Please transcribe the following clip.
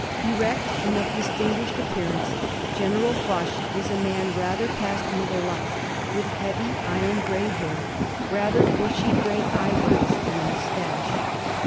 Erect, and of distinguished appearance, General Foch is a man rather past middle life, with heavy iron grey hair, rather bushy grey eyebrows and a moustache.